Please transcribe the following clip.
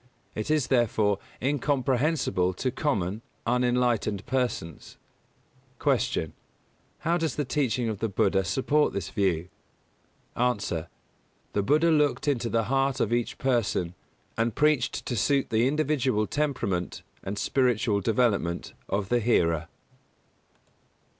It is, therefore, incomprehensible to common, unenlightened persons. 255. Q. How does the teaching of the Buddha support this view? A. The Buddha looked into the heart of each person, and preached to suit the individual temperament and spiritual development of the hearer.